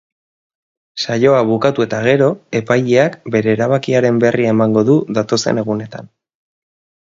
Saioa bukatu eta gero, epaileak bere erabakiaren berri emango du datozen egunetan.